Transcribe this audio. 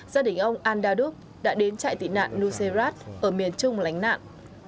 gia đình ông al dadup đã đến trại tị nạn nusayrat ở miền trung lánh nạn